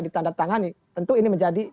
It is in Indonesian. ditandatangani tentu ini menjadi